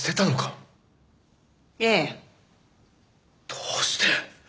どうして？